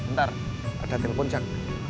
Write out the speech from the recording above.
ntar ada telepon jack